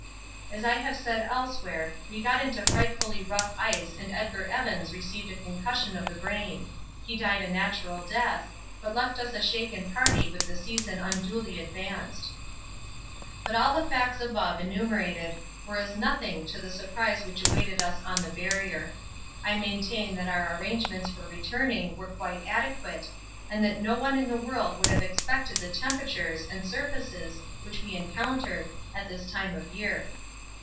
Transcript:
As I have said elsewhere we got into frightfully rough ice and Edgar Evans received a concussion of the brain he died a natural death, but left us a shaken party with the season unduly advanced. But all the facts above enumerated were as nothing to the surprise which awaited us on the Barrier. I maintain that our arrangements for returning were quite adequate, and that no one in the world would have expected the temperatures and surfaces which we encountered at this time of the year.